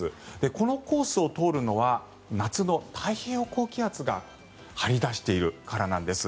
このコースを通るのは夏の太平洋高気圧が張り出しているからなんです。